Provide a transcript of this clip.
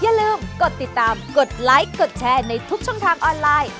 อย่าลืมกดติดตามกดไลค์กดแชร์ในทุกช่องทางออนไลน์